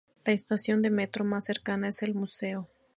La estación de metro más cercana es el Museo.